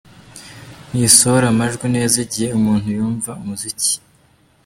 Ntisohora amajwi neza igihe umuntu yumva umuziki.